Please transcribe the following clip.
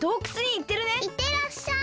いってらっしゃい！